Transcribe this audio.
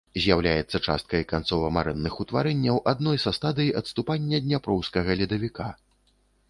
З'яўляецца часткай канцова-марэнных утварэнняў адной са стадый адступання дняпроўскага ледавіка.